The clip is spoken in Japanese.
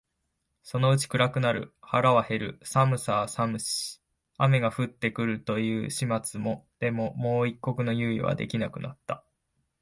そのうちに暗くなる、腹は減る、寒さは寒し、雨が降って来るという始末でもう一刻の猶予が出来なくなった